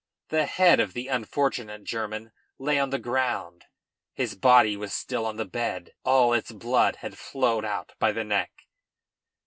The head of the unfortunate German lay on the ground; his body was still on the bed; all its blood had flowed out by the neck.